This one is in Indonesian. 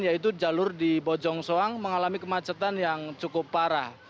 yaitu jalur di bojong soang mengalami kemacetan yang cukup parah